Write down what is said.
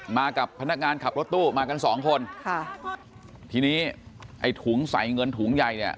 มากับพนักงานขับรถตู้มากันสองคนค่ะทีนี้ไอ้ถุงใส่เงินถุงใหญ่เนี่ย